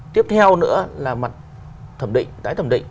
tiếp theo nữa là mặt thẩm định tái thẩm định